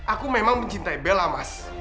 aku memang mencintai bella mas